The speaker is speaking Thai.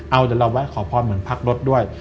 เอาเดี๋ยวเราแวะขอพรเหมือนพักรถด้วย